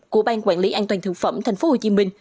của ban quản lý an toàn thực phẩm tp hcm